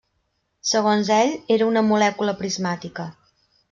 Segons ell era una molècula prismàtica.